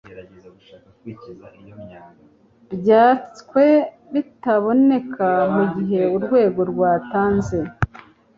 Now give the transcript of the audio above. byatswe bitaboneka mu gihe Urwego rwatanze